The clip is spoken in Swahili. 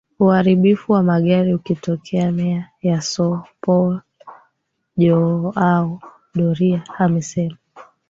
uharibifu wa magari ukitokeaMeya wa Sao Paulo Joao Doria amesema